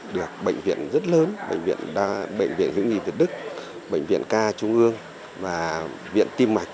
được bệnh viện rất lớn bệnh viện hữu nghị việt đức bệnh viện ca trung ương và viện tim mạch